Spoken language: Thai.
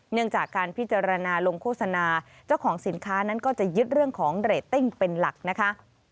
เนื่องจากการพิจารณาลงโฆษณาเจ้าของสินค้านั้นก็จะยึดเรื่องของเรตติ้งเป็นหลักนะคะ